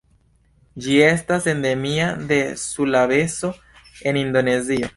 Ĝi estas endemia de Sulaveso en Indonezio.